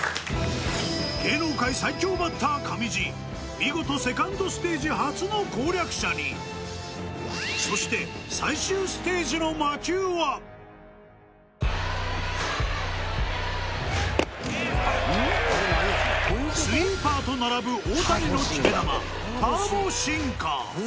見事セカンドステージ初の攻略者にそして最終ステージの魔球はスイーパーと並ぶ大谷の決め球